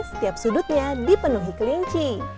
setiap sudutnya dipenuhi kelinci